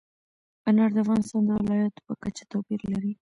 انار د افغانستان د ولایاتو په کچه توپیر لري.